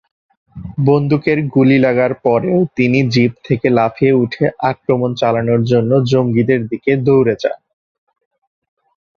বন্দুকের গুলি লাগার পরেও তিনি জিপ থেকে লাফিয়ে উঠে আক্রমণ চালানোর জন্য জঙ্গিদের দিকে দৌড়ে যান।